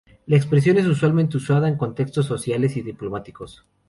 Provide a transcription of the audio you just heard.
La expresión es usualmente usada en contextos sociales y diplomáticos.